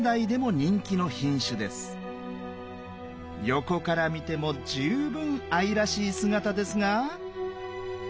横から見ても十分愛らしい姿ですが。